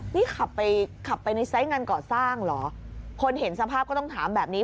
นี่ขับไปขับไปในไซส์งานก่อสร้างเหรอคนเห็นสภาพก็ต้องถามแบบนี้